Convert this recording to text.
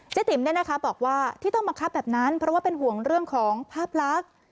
ติ๋มบอกว่าที่ต้องบังคับแบบนั้นเพราะว่าเป็นห่วงเรื่องของภาพลักษณ์